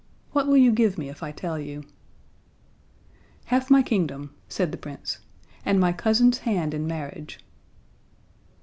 What will you give me if I tell you?" "Half my kingdom," said the Prince, "and my cousin's hand in marriage."